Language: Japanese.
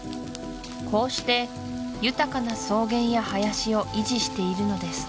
こうして豊かな草原や林を維持しているのです